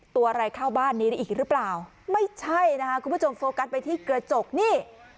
ตัวอะไรเข้าบ้านนี้ได้อีกหรือเปล่าไม่ใช่นะคะคุณผู้ชมโฟกัสไปที่กระจกนี่